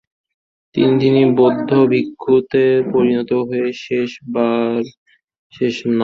তিনি তিনি বৌদ্ধ ভিক্ষুতে পরিণত হয়ে শেস-রাব-য়ে-শেস নামধারণ করেন।